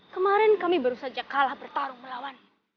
kemarin kami baru saja kalah bertarung melawan